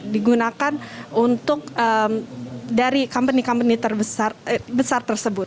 digunakan untuk dari company company terbesar tersebut